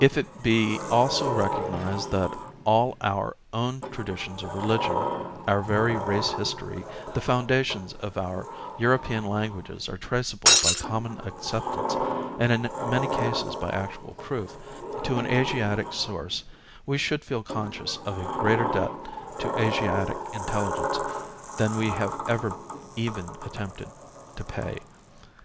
If it be also recognized that all our own traditions of religion, our very race history, the foundations of our European languages are traceable by common A Museum of Oriental Art acceptance, and in many cases by actual proof, to an Asiatic source, we should feel conscious of a greater debt to Asiatic intelligence than we have ever even attempted to pay.